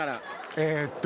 えっと。